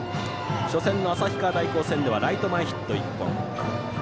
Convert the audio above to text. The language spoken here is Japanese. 初戦の旭川大高戦ではライト前ヒット１本。